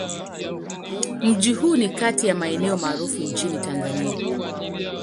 Mji huu ni kati ya maeneo maarufu nchini Tanzania.